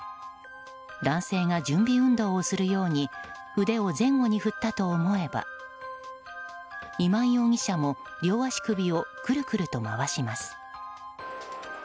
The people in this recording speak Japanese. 男性が準備運動をするように腕を前後に振ったと思えば今井容疑者も両足首をくるくると回します。